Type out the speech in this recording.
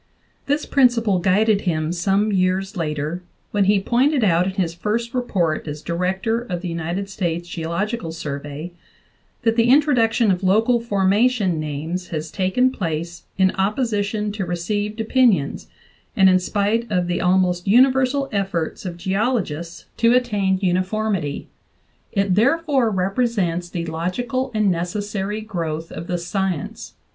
This principle guided him some years later, when he pointed out in his first report as Director of the United States Geo logical Survey that the introduction of local formation names has taken place "in opposition to received opinions, and in spite of the almost universal efforts of geologists to attain uni 27 NATIONAL ACADEMY BIOGRAPHICAL MEMOIRS VOL. VIII formity; it therefore represents the logical and necessary growth of the science.